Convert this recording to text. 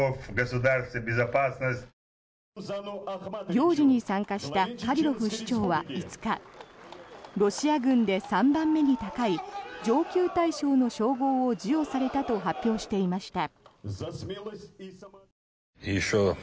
行事に参加したカディロフ首長は５日ロシア軍で３番目に高い上級大将の称号を授与されたと発表していました。